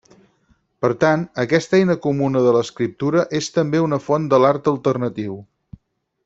Per tant, aquesta eina comuna de l'escriptura és també una font de l'art alternatiu.